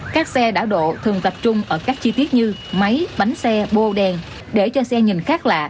các xe đảo độ thường tập trung ở các chi tiết như máy bánh xe bô đèn để cho xe nhìn khác lạ